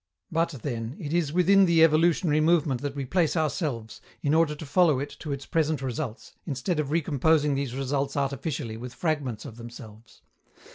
But, then, it is within the evolutionary movement that we place ourselves, in order to follow it to its present results, instead of recomposing these results artificially with fragments of themselves.